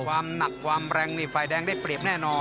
ความหนักความแรงนี่ฝ่ายแดงได้เปรียบแน่นอน